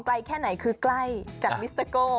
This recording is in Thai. แค่ไหนคือใกล้จากมิสเตอร์โก้